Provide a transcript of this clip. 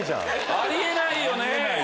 あり得ないよ。